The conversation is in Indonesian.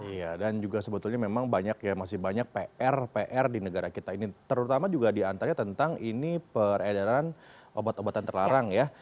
iya dan juga sebetulnya memang banyak ya masih banyak pr pr di negara kita ini terutama juga diantaranya tentang ini peredaran obat obatan terlarang ya